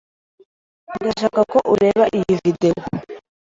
Ndashaka ko ureba iyi videwo.